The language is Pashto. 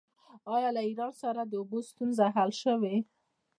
آیا له ایران سره د اوبو ستونزه حل شوې؟